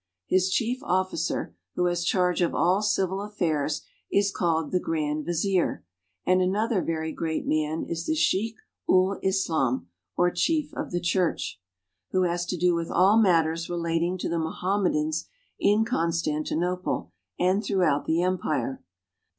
His chief officer, who has charge of all civil affairs, is called the Grand Vizier, and another very great man is the Sheik ul Islam, or chief of the Church, AMONG THE MOHAMMEDANS. 373 who has to do with all matters relating to the Mohamme dans in Constantinople and throughout the empire.